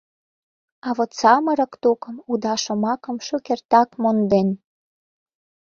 А вот самырык тукым уда шомакым шукертак монден.